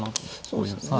そうですね。